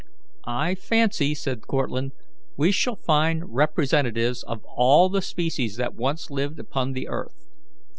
"I fancy," said Cortlandt, "we shall find representatives of all the species that once lived upon the earth.